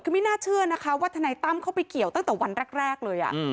คือไม่น่าเชื่อนะคะว่าทนายตั้มเข้าไปเกี่ยวตั้งแต่วันแรกเลย